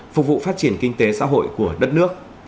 phục vụ phát triển kinh tế xã hội của đất nước